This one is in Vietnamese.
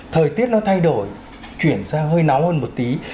thời tiết nó thay đổi chuyển sang hơi nóng hơn một tí